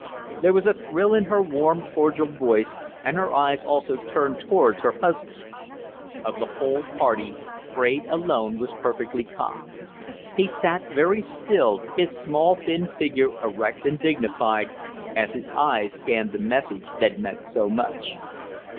There was a thrill in her warm, cordial voice, and her eyes also turned towards her husband. Of the whole party, Fraide alone was perfectly calm. He sat very still, his small, thin figure erect and dignified, as his eyes scanned the message that meant so much.